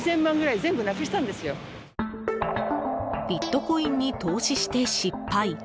ビットコインに投資して失敗。